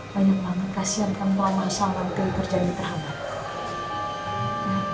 banyak banget kasihan sama mama selama terjadi terhadap aku